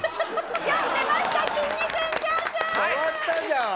変わったじゃん！